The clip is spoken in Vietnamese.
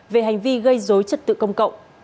về hành vi gây dối trật tự công cộng